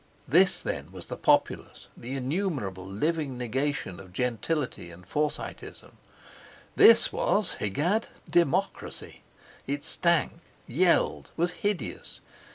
This, then, was the populace, the innumerable living negation of gentility and Forsyteism. This was—egad!—Democracy! It stank, yelled, was hideous!